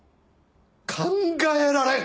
考えられん！